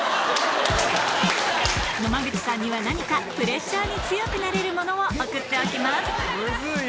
野間口さんには何かプレッシャーに強くなれるものを送っておきますむずい